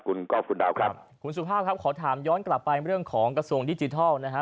คุณก๊อฟคุณดาวครับคุณสุภาพครับขอถามย้อนกลับไปเรื่องของกระทรวงดิจิทัลนะฮะ